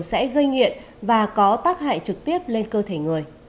sẽ gây nghiện và có tác hại trực tiếp lên cơ thể người